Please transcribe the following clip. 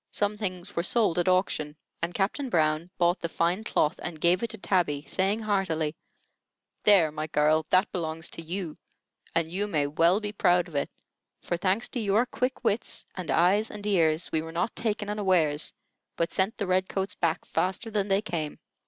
Some things were sold at auction, and Captain Brown bought the fine cloth and gave it to Tabby, saying heartily: "There, my girl, that belongs to you, and you may well be proud of it; for, thanks to your quick wits and eyes and ears, we were not taken unawares, but sent the red coats back faster than they came."